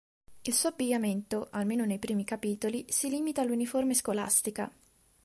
Il suo abbigliamento, almeno nei primi capitoli, si limita all'uniforme scolastica.